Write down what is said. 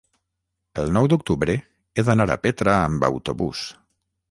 El nou d'octubre he d'anar a Petra amb autobús.